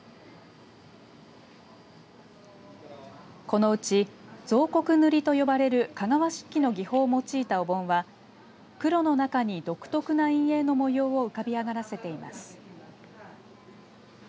このうち象谷塗と呼ばれる香川漆器の技法を用いたお盆は黒の中に独特な陰影の模様を浮かび上がらせています。